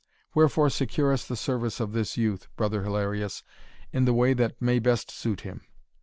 Wherefore, secure us the service of this youth, Brother Hilarius, in the way that may best suit him.